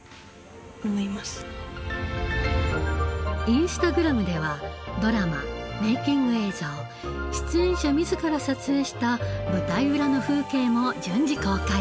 インスタグラムではドラマメイキング映像出演者自ら撮影した舞台裏の風景も順次公開。